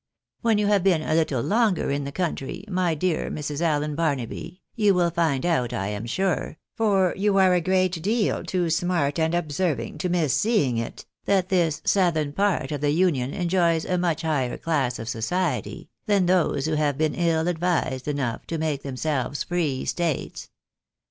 When you have been a little longer in the country, my dear Mrs. Allen Bar naby, you will find out, I am sure, for you are a great deal too smart and observing to miss seeing it, that this southern part of the Union enjoys a much higher class of society than those who have been ill advised enough to make themselves free states.